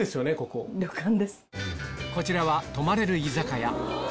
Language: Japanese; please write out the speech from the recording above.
こちらは泊まれる居酒屋